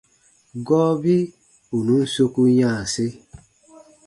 Gɔɔbi ù nùn soku yanse.